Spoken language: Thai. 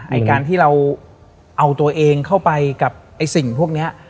ไอ้การที่เราเอาตัวเองเข้าไปกับไอ้สิ่งพวกนี้